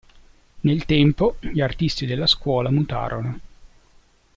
Nel tempo, gli artisti della Scuola mutarono.